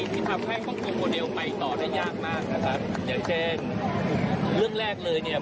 ที่ทำให้ควบคุมโมเดลไปต่อได้ยากมากนะครับอย่างเช่นเรื่องแรกเลยเนี่ย